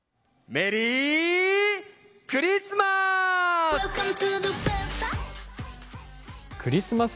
メリークリスマス！